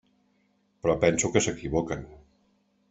Però penso que s'equivoquen.